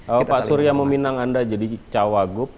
kalau pak surya meminang anda jadi cawagub